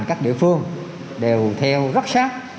các địa phương đều theo rất sát